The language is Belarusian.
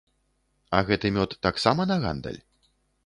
А гэты мёд таксама на гандаль?